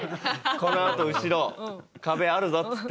このあと後ろ壁あるぞっつって。